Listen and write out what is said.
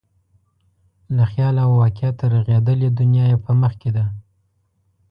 له خیال او واقعیته رغېدلې دنیا یې په مخ کې ده.